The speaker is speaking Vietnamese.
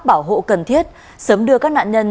bảo hộ cần thiết sớm đưa các nạn nhân